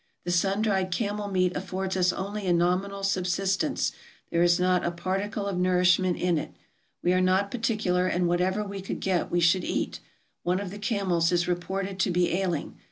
The sun dried camel meat affords us only a nominal subsistence ; there is not a particle of nourishment in it. We are not particular, and whatever we could get we should eat. One of the camels is reported to be ailing.